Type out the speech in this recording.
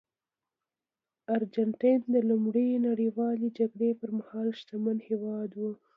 ارجنټاین د لومړۍ نړیوالې جګړې پرمهال شتمن هېواد و.